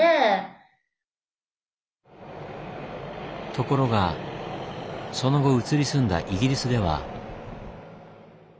ところがその後移り住んだイギリスでは。